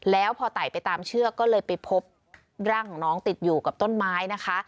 แล้วพอไต่ไปตามเชือกก็เลยไปพบร่างของน้องติดอยู่กับต้นไม้นะคะ